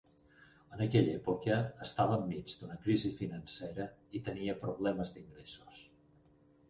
En aquella època, estava enmig d'una crisi financera i tenia problemes d'ingressos.